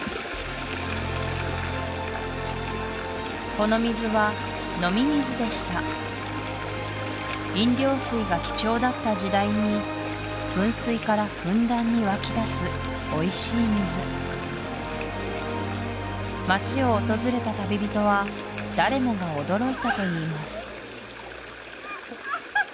この水は飲み水でした飲料水が貴重だった時代に噴水からふんだんに湧き出すおいしい水街を訪れた旅人は誰もが驚いたといいます